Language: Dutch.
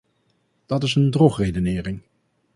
Dat is een drogredenering.